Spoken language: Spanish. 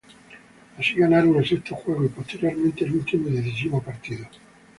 Allí ganaron el sexto juego y posteriormente el último y decisivo partido.